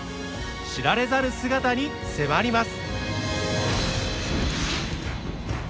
知られざる姿に迫ります。